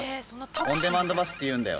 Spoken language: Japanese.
オンデマンドバスっていうんだよ。